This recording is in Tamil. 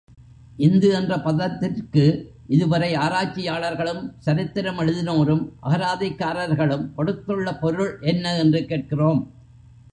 இந்து என்ற பதத்திற்கு இதுவரை ஆராய்ச்சியாளர்களும், சரித்திரம் எழுதினோரும், அகராதிக்காரர்களும் கொடுத்துள்ள பொருள் என்ன என்று கேட்கிறோம்.